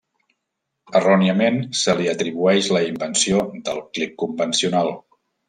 Erròniament se li atribueix la invenció del clip convencional.